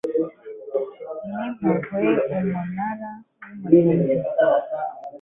n impuhwe umunara w umurinzi